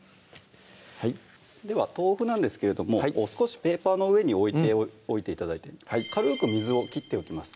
では豆腐なんですけれども少しペーパーの上に置いておいて頂いて軽く水をきっておきます